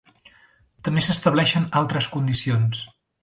També s'estableixen altres condicions.